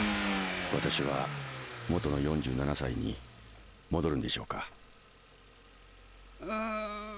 私は元の４７歳に戻るんでしょうか。